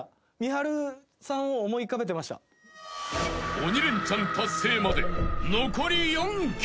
［鬼レンチャン達成まで残り４曲］